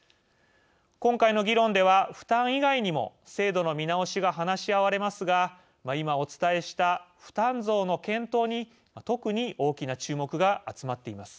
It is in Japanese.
今回の議論では、負担以外にも制度の見直しが話し合われますが今、お伝えした負担増の検討に特に大きな注目が集まっています。